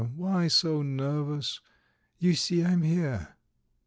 ... Why so nervous? You see, I'm here."